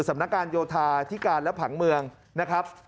สำนักการโยธาธิการและผังเมืองนะครับ